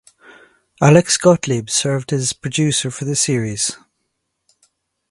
Alex Gottlieb served as producer for the series.